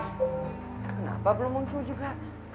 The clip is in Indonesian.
kenapa belum muncul juga